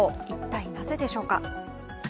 一体、なぜでしょうか。